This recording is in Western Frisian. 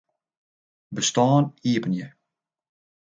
Bestân iepenje.